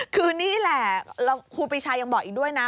คือนี่แหละครูปีชายังบอกอีกด้วยนะ